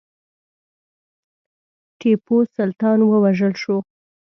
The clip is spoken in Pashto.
ټیپو سلطان ووژل شو.